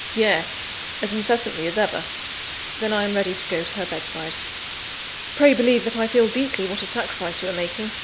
"Yes, as incessantly as ever." "Then I am ready to go to her bedside." "Pray believe that I feel deeply what a sacrifice you are making.